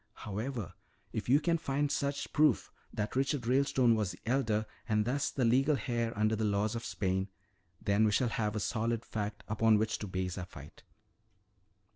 "However, if you can find such proof, that Richard Ralestone was the elder and thus the legal heir under the laws of Spain, then we shall have a solid fact upon which to base our fight."